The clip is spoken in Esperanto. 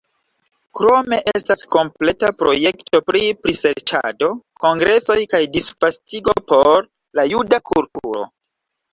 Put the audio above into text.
Krome estas kompleta projekto pri priserĉado, kongresoj kaj disvastigo por la juda kulturo.